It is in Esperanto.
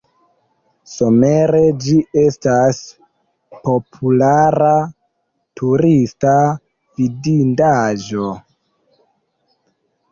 Somere ĝi estas populara turista vidindaĵo.